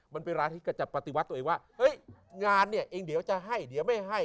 มันเป็นราศีกระจัดปฏิวัติตัวเองว่าเฮ้ยงานเนี่ยเองเดี๋ยวจะให้เดี๋ยวไม่ให้